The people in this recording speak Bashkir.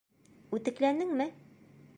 Үтекләнеңме?